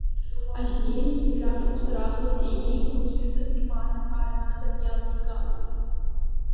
Ажьгьеригьы жәашықәса раахыс еидикылоз шәнызқь мааҭ аԥара наган иалеигалеит.